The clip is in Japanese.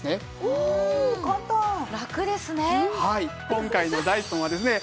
今回のダイソンはですね